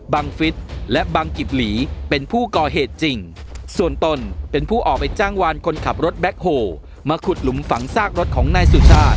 ฟิศและบังกิบหลีเป็นผู้ก่อเหตุจริงส่วนตนเป็นผู้ออกไปจ้างวานคนขับรถแบ็คโฮมาขุดหลุมฝังซากรถของนายสุชาติ